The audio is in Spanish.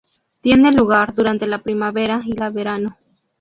Tiene lugar durante la primavera y la verano.